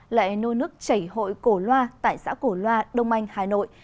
lại nuôi nước chảy hội cổ loa tại xã cổ loa đông anh hà nội